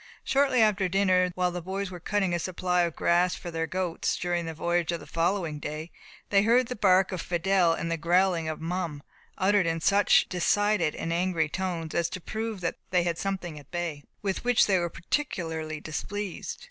Shortly after dinner, while the boys were cutting a supply of grass for their goats during the voyage of the following day, they heard the bark of Fidelle and the growling of Mum, uttered in such decided and angry tones as to prove that they had something at bay, with which they were particularly displeased.